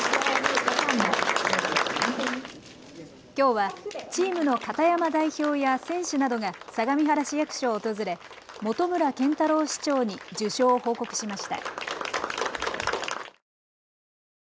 きょうはチームの片山代表や選手などが相模原市役所を訪れ本村賢太郎市長に受賞を報告しました。